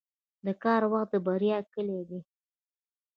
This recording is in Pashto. • د کار وخت د بریا کلي ده.